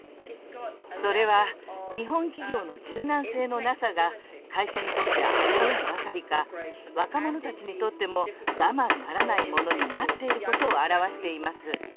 それは日本企業の柔軟性のなさが会社にとって危ういばかりか若者たちにとっても我慢ならないものになっていることを表しています。